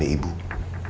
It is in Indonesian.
saya tidak ada keberanian